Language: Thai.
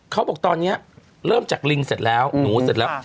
เขาบอกตอนนี้เริ่มจากลิงเสร็จแล้วหนูเสร็จแล้ว